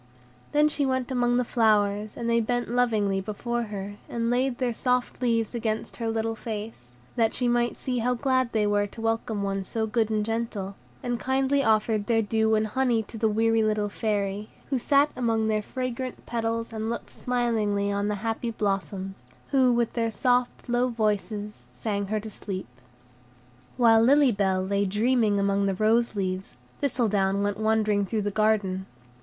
Then she went among the flowers, and they bent lovingly before her, and laid their soft leaves against her little face, that she might see how glad they were to welcome one so good and gentle, and kindly offered their dew and honey to the weary little Fairy, who sat among their fragrant petals and looked smilingly on the happy blossoms, who, with their soft, low voices, sang her to sleep. While Lily Bell lay dreaming among the rose leaves, Thistledown went wandering through the garden.